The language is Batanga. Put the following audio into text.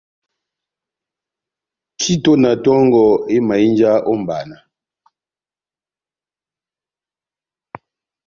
Tito na tongɔ éhimahínja ó mʼbana